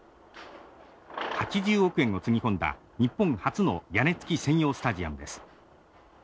８０億円をつぎ込んだ日本初の屋根つき専用スタジアムです。